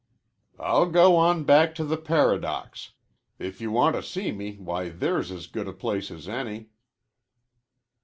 "I'll go on back to the Paradox. If you want to see me, why, there's as good a place as any."